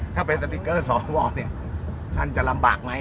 ถ้าเป็นสติ๊กเกอร์สวเนี่ยท่านจะลำบากไหม